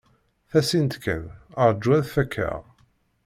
Tasint kan. Rju ad fakkeɣ.